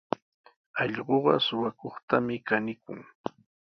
Allquqa suqakuqtami kanikun.